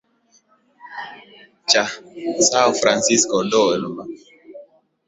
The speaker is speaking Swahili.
cha Sao Francisco do Iratapuru jamii ambayo